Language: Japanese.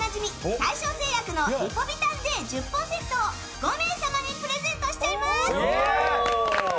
大正製薬のリポビタンＤ１０本セットを５名様にプレゼントしちゃいます。